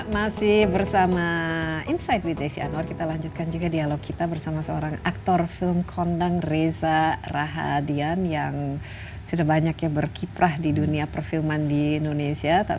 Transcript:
masih bersama insight with desi anwar kita lanjutkan juga dialog kita bersama seorang aktor film kondang reza rahadian yang sudah banyak ya berkiprah di dunia perfilman di indonesia